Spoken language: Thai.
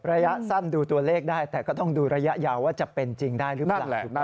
ระยะสั้นดูตัวเลขได้แต่ก็ต้องดูระยะยาวว่าจะเป็นจริงได้หรือเปล่า